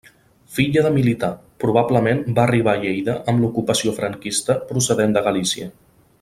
Filla de militar, probablement va arribar a Lleida amb l'ocupació franquista procedent de Galícia.